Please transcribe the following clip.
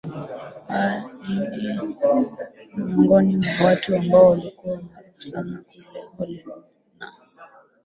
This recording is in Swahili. aa ni ni ni miongoni mwa watu ambao walikuwa maarufu sana kule holywood na